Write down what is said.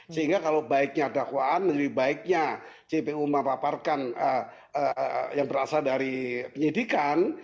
sehingga kalau baiknya dakwaan lebih baiknya cpu memaparkan yang berasal dari penyidikan